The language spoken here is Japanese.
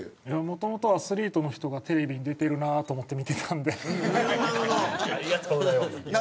もともとアスリートの人がテレビに出てるなあと思ってありがとうございます。